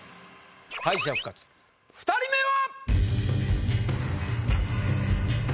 敗者復活２人目は⁉